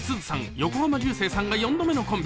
横浜流星さんが４度目のコンビ。